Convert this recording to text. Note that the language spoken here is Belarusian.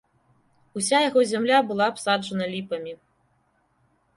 Уся яго зямля была абсаджана ліпамі.